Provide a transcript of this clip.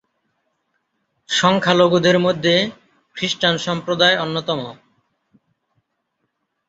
সংখ্যালঘুদের মধ্যে খ্রিস্টান সম্প্রদায় অন্যতম।